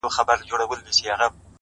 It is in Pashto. • زما دي په زړه کي لمبه وه بله ,